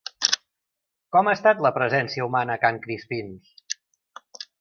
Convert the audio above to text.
Com ha estat la presència humana a Can Crispins?